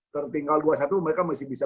tertinggal dua puluh satu mereka masih bisa